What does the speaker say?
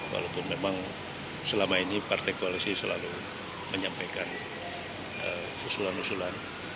walaupun memang selama ini partai koalisi selalu menyampaikan usulan usulan